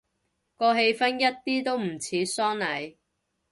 個氣氛一啲都唔似喪禮